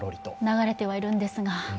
流れてはいるんですが。